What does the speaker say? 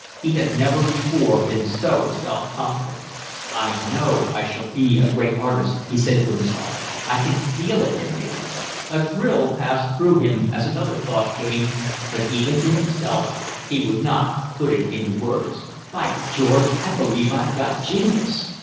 He had never before been so self confident. "I know I shall be a great artist," he said to himself. "I feel it in me." A thrill passed through him as another thought came, but even to himself he would not put it into words: "By George, I believe I've got genius."